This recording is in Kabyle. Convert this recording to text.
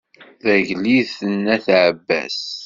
Tagliḍt n at ɛebbas.